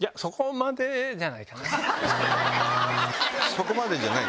そこまでじゃない。